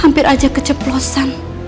hampir aja keceplosan